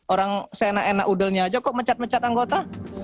orang seenak enak udelnya aja kok mecat mecat anggota